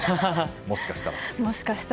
もしかしたらと。